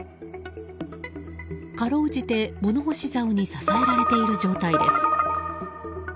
かろうじて物干し竿に支えらえている状態です。